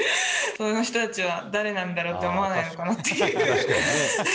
その人たちは誰なんだろう？って思わないのかなって。